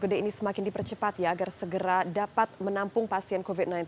gede ini semakin dipercepat ya agar segera dapat menampung pasien covid sembilan belas